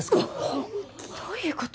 どういう事？